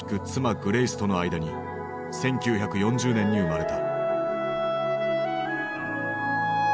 グレイスとの間に１９４０年に生まれた。